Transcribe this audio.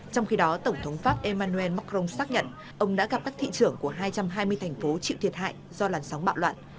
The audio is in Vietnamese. trong khi đó tổng thống pháp emmanuel macron xác nhận ông đã gặp các thị trưởng của hai trăm hai mươi thành phố chịu thiệt hại do làn sóng bạo loạn